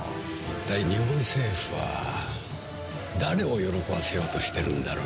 一体日本政府は誰を喜ばせようとしてるんだろうね。